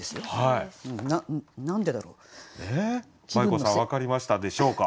まい子さん分かりましたでしょうか。